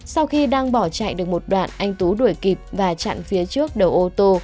sau khi đang bỏ chạy được một đoạn anh tú đuổi kịp và chặn phía trước đầu ô tô